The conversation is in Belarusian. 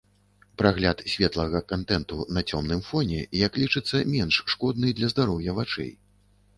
Прагляд светлага кантэнту на цёмным фоне, як лічыцца, менш шкодны для здароўя вачэй.